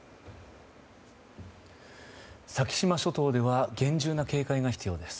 先島諸島では厳重な警戒が必要です。